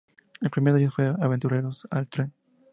El primero de ellos fue Aventureros al tren.